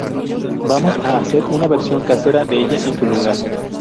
Vamos a hacer una versión casera de ella en su lugar.